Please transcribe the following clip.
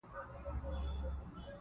زموږ ژوند د همدې نظم تابع دی.